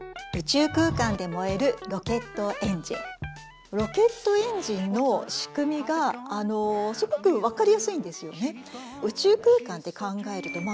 ロケットエンジンの仕組みがすごく分かりやすいんですよね。